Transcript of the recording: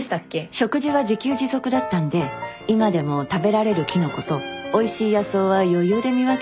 食事は自給自足だったんで今でも食べられるキノコとおいしい野草は余裕で見分けられます。